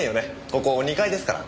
ここ２階ですから。